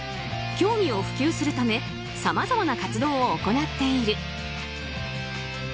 競技を普及するためさまざまな活動を行っている。